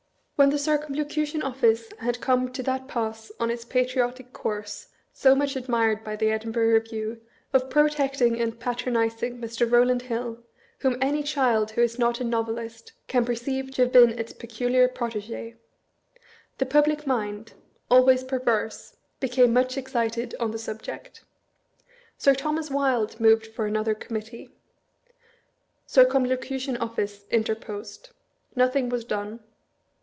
When the Circumlocution Office had come to that pass on its patriotic course so much admired by the Edinburgh Re view, of protecting and patronizing Mr. Rowland Hill, whom any child who is not a Novelist can perceive to have been its peculiar protege; the public mind (always perverse) became much excited on the subject. Sir Thomas Wilde moved for another Committee. Circumlocution Office interposed. Nothing was done.